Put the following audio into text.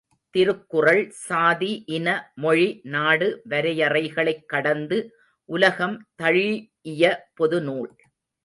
திருக்குறள் சாதி, இன, மொழி, நாடு வரையறைகளைக் கடந்து உலகம் தழீஇய பொதுநூல்.